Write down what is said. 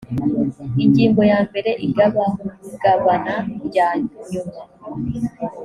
ingingo yambere igabagabana rya nyuma